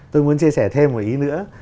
tôi muốn chia sẻ thêm một ý nữa